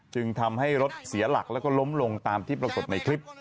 จึงทำให้รถเสียหลักแล้วก็ล้มลงตามที่ปรากฏในคลิป